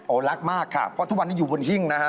รักมากค่ะเพราะทุกวันนี้อยู่บนหิ้งนะฮะ